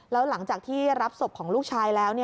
แล้วหลังจากที่รับศพของลูกชายแล้ว